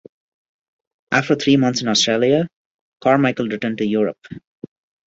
After three months in Australia Carmichael returned to Europe.